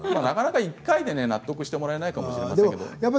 なかなか１回では納得してもらえないかもしれない。